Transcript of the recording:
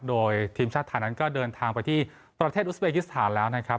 โดยทีมชาติไทยนั้นก็เดินทางไปที่ประเทศอุสเบกิสถานแล้วนะครับ